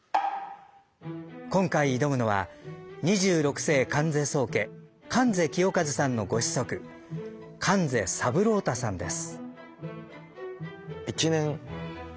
今回挑むのは二十六世観世宗家観世清和さんの御子息観世三郎太さんです。